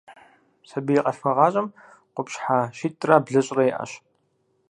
Сабий къалъхуагъащӏэм къупщхьэ щитӏрэ блыщӏрэ иӏэщ.